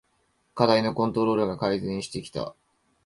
課題のコントロールが改善してきた